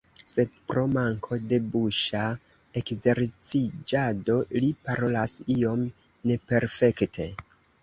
Sed, pro manko de buŝa ekzerciĝado, li parolas iom neperfekte.